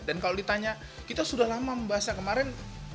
dan kalau ditanya kita sudah lama membahasnya kemaren